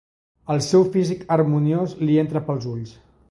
El seu físic harmoniós li entra pels ulls.